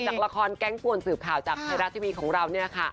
จากละครแกล้งปวนสืบข่าวจากไทรัสที่มีของเราเนี่ยค่ะ